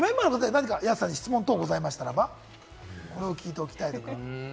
安さんに質問等ございましたら聞いておきたい。